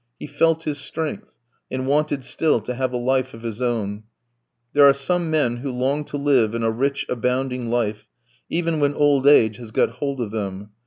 He felt his strength, and wanted still to have a life of his own; there are some men who long to live in a rich, abounding life, even when old age has got hold of them.